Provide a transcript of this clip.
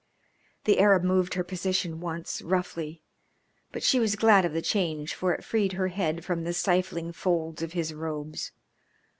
The Arab moved her position once, roughly, but she was glad of the change for it freed her head from the stifling folds of his robes.